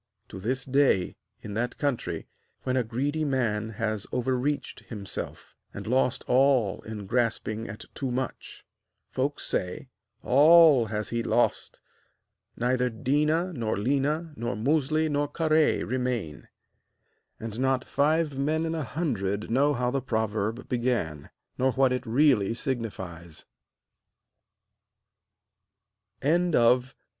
To this day, in that country, when a greedy man has overreached himself, and lost all in grasping at too much, folks say: 'All has he lost! neither Déna, nor Léna, nor Musli, nor Kahré remain.' And not five men in a hundred know how the proverb began, nor what it really signifies.